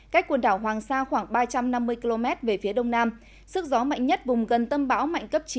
cách quần đảo hoàng sa khoảng ba trăm năm mươi km về phía đông nam sức gió mạnh nhất vùng gần tâm bão mạnh cấp chín